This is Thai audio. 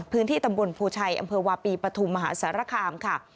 พื้นที่ตำบลภูชัยอำเภอวาปีปฐุมมหาสารคามค่ะ